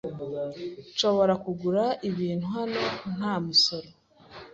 Nshobora kugura ibintu hano nta musoro?